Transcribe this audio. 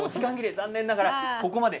残念ながら時間切れ、ここまで。